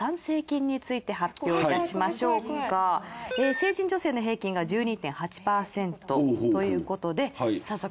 成人女性の平均が１２．８％ということで早速。